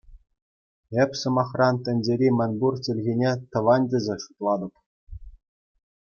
Эп, сӑмахран, тӗнчери мӗнпур чӗлхене "тӑван" тесе шутлатӑп.